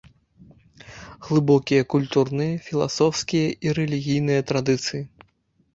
Глыбокія культурныя, філасофскія і рэлігійныя традыцыі.